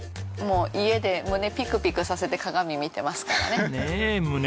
もう家で胸ピクピクさせて鏡見てますからね。